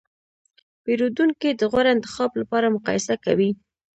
پیرودونکي د غوره انتخاب لپاره مقایسه کوي.